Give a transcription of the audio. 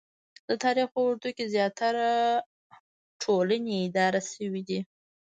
د تاریخ په اوږدو کې زیاتره ټولنې اداره شوې دي